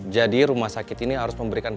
jadi rumah sakit ini harus memberikan